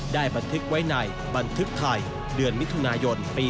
บันทึกไว้ในบันทึกไทยเดือนมิถุนายนปี๒๕